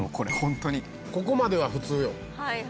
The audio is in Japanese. ここまでは普通よ。